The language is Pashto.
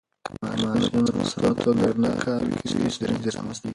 که ماشينونه په سمه توګه نه کار کوي، ستونزې رامنځته کېږي.